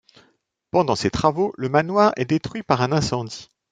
Pendant ces travaux, le Manoir est détruit par un incendie.